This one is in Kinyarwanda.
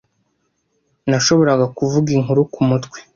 Nashoboraga kuvuga inkuru kumutwe.